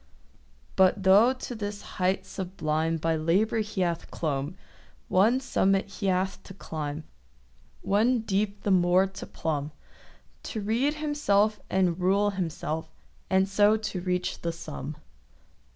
But tho' to this height sublime By labour he hath clomb, One summit he hath to climb, One deep the more to plumb— To rede himself and rule himself, And so to reach the sum.